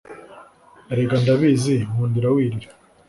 erega ndabizi, nkundira wirira